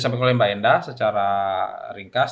sampai ke luar mbak endah secara ringkas